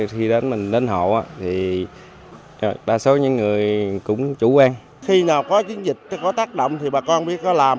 khi nào có chiến dịch có tác động thì bà con biết có làm